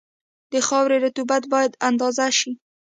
د خاورې رطوبت باید اندازه شي